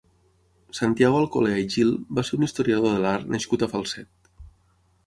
Santiago Alcolea i Gil va ser un historiador de l'art nascut a Falset.